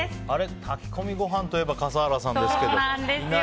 炊き込みご飯といえば笠原さんですけどそうなんですよ。